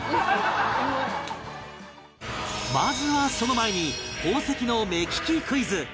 まずはその前に宝石の目利きクイズ